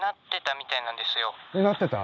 うなってた？